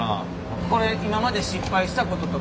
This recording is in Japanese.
これ今まで失敗したこととかあります？